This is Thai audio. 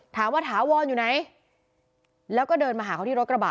ถาวรอยู่ไหนแล้วก็เดินมาหาเขาที่รถกระบะ